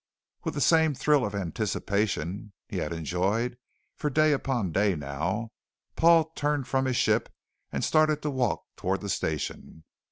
With the same thrill of anticipation he had enjoyed for day upon day now, Paul turned from his ship and started to walk toward the Station.